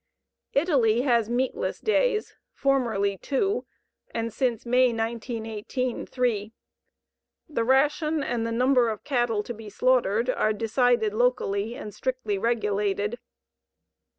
Italy has meatless days, formerly 2, and since May, 1918, 3. The ration and the number of cattle to be slaughtered are decided locally and strictly regulated.